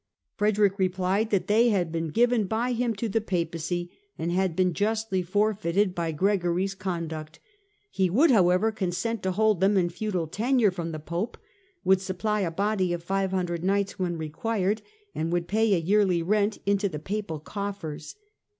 Frederick replied that they had been given by him to the Papacy and had been justly forfeited by Gregory's conduct. He would, however, consent to hold them in feudal tenure from the Pope, would supply a body of 500 knights when required, and would pay a yearly rent into the Papal coffers.